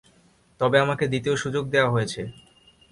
তবে আমাকে দ্বিতীয় সুযোগ দেয়া হয়েছে।